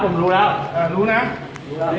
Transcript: ไม่รู้น่ะ